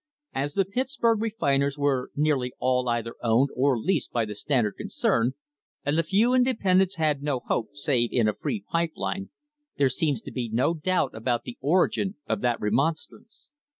As the Pitts burg refiners were nearly all either owned or leased by the Standard concern, and the few independents had no hope save in a free pipe line, there seems to be no doubt about the origin of that remonstrance.